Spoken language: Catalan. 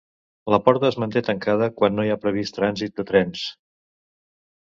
La porta es manté tancada quan no hi ha previst trànsit de trens.